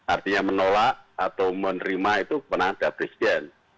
artinya menolak atau menerima itu menang dari presiden